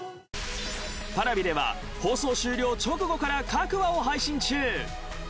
Ｐａｒａｖｉでは放送終了直後から各話を配信中。